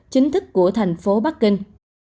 chính thức của thành phố bắc kinh